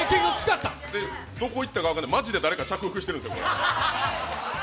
どこいったか分からない、マジで誰か着服してる。